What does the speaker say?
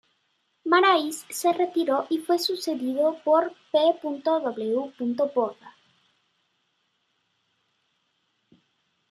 Marais se retiró y fue sucedido por P. W. Botha.